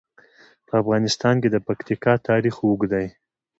په افغانستان کې د پکتیکا تاریخ اوږد دی.